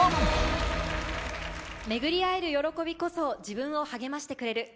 巡り合える喜びこそ自分を励ましてくれる。